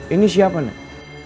ini siapa nek